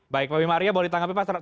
baik pemimpa arya boleh ditanggapi pak